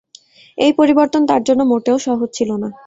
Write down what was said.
এই পরিবর্তন তার জন্য মোটেও সহজ ছিল না।